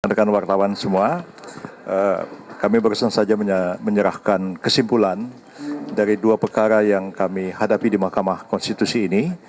rekan wartawan semua kami barusan saja menyerahkan kesimpulan dari dua perkara yang kami hadapi di mahkamah konstitusi ini